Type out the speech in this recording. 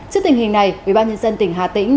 trước tình hình này ubnd tỉnh hà tĩnh